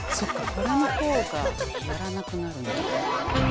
このほうがやらなくなるんだ。